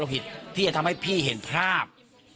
จะช่วยที่จะให้พี่เห็นภาพ